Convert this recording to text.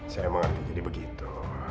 saya emang ngerti jadi begitu